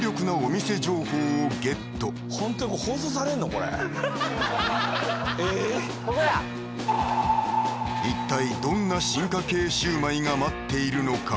ここやいったいどんな進化系シウマイが待っているのか？